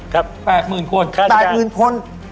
ครับ๘๐๐๐๐คน๘๐๐๐๐คน